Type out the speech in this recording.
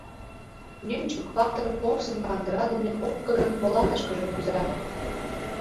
Нӧнчык-патыр порсын кандыра дене Опкынын полатышкыже кӱза.